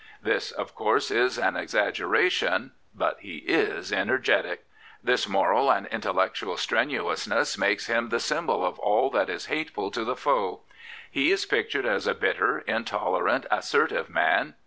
This, of course, is an exaggera tion; but he is energetic, This moral and intellectual strenuousness makes him the symbol of all that is hateful to the foe. He is pictured as a bitter, intolerant, assertive man.